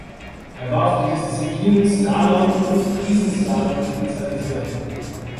Er war auf die Disziplinen Slalom und Riesenslalom spezialisiert.